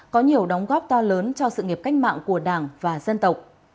có nhiều đóng góp to lớn cho sự nghiệp cách mạng của đảng và dân tộc